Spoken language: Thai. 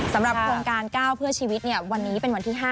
สำหรับโครงการ๙เพื่อชีวิตวันนี้เป็นวันที่๕